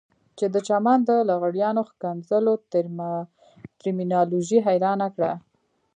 چې د چمن د لغړیانو ښکنځلو ترمینالوژي حيرانه کړه.